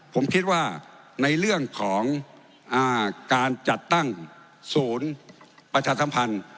ผมคิดว่าในเรื่องของการจัดตั้งศูนย์ประชาสัมพันธ์